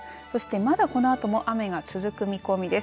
まだこのあとも雨が続く見込みです。